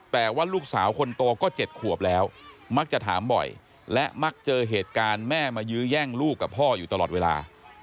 แต่ว่าลูกสาวคนโตก็๗ขวบแล้วมักจะถามบ่อยและมักเจอเหตุการณ์แม่มายื้อแย่งลูกกับพ่ออยู่ตลอดเวลา